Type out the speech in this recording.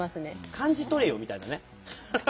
「感じ取れよ」みたいなね。